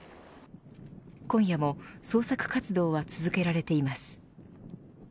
今夜も捜索活動は続けられています。